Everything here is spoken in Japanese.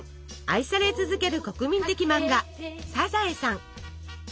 愛され続ける国民的漫画「サザエさん」。